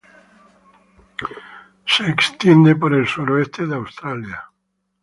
Se extiende por el suroeste de Australia.